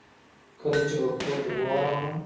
کله چې به کورته نه ورغلم.